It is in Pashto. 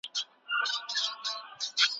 هوښيار انسانان ئې په مفهوم پوهيږي.